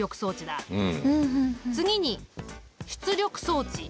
次に出力装置。